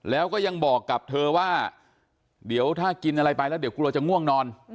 แล้วก็ยังบอกกับเธอว่าเดี๋ยวถ้ากินอะไรไปแล้วเดี๋ยวกลัวจะง่วงนอน